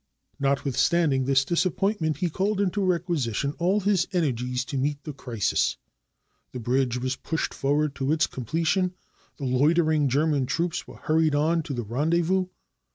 Notwithstanding this disappointment, he called into requisition all his energies to meet the crisis. The bridge was pushed forward to its completion. The loitering German troops were hurried on to the rendezvous.